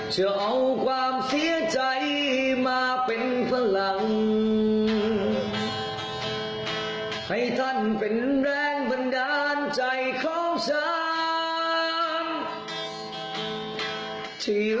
จัดการที่ยืนยัดในความดี